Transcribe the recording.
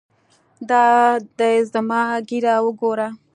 دا دى زما ږيره وګوره.